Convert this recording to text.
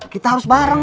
kita harus bareng